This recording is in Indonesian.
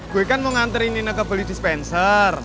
gue kan mau nganterin nina ke beli dispenser